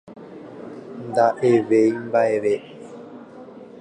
nda'evéimba'eve